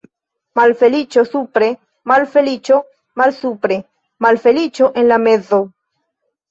Malfeliĉo supre, malfeliĉo malsupre, malfeliĉo en la mezo.